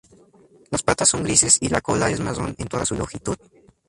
Las patas son grises y la cola es marrón en toda su longitud.